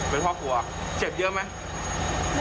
เป็นพ่อครัวเป็นพ่อครัวเจ็บเยอะไหม